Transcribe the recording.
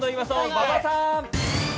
馬場さん。